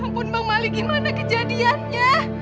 ampun bang mali gimana kejadiannya